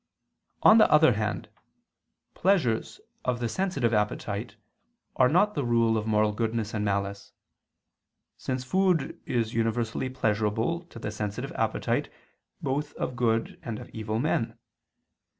On the other hand, pleasures of the sensitive appetite are not the rule of moral goodness and malice; since food is universally pleasurable to the sensitive appetite both of good and of evil men.